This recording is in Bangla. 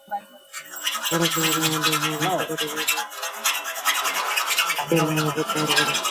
ফারাক্কা বাঁধের মাধ্যমে ভারত আন্তর্জাতিক নদী গঙ্গার পানি একতরফাভাবে প্রত্যাহার করে।